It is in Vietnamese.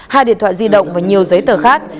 hai điện thoại di động và nhiều giấy tờ khác